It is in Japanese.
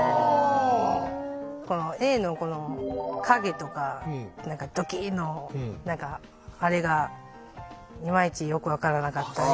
Ａのこの影とか「どきいっ」の何かあれがいまいちよく分からなかったり。